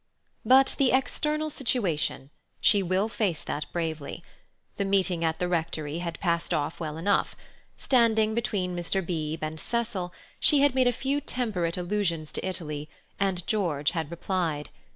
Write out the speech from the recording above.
But the external situation—she will face that bravely. The meeting at the Rectory had passed off well enough. Standing between Mr. Beebe and Cecil, she had made a few temperate allusions to Italy, and George had replied.